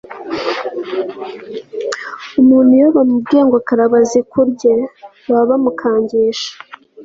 umuntu iyo bamubwiye ngo karaba zikurye, baba bamukangisha